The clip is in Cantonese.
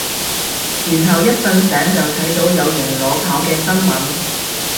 然後一瞓醒就睇到有人裸跑嘅新聞